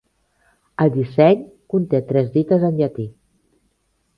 El disseny conté tres dites en llatí.